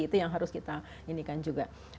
itu yang harus kita indikan juga